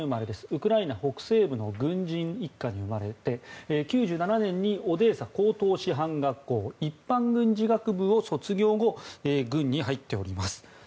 ウクライナ北西部の軍人一家に生まれて１９９７年にオデーサ高等師範学校の一般軍事学部を卒業後軍に入っております。